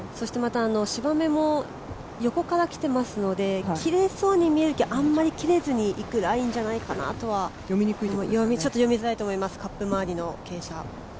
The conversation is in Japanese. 芝目も横からきてますので、切れそうに見えて、あまり切れないラインじゃないかとちょっと読みづらいと思います、カップ周りの傾斜。